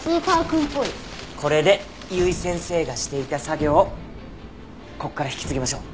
これで由井先生がしていた作業をここから引き継ぎましょう。